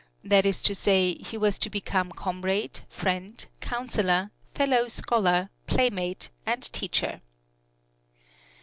That is to say, he was to become comrade, friend, counselor, fellow scholar, playmate and teacher.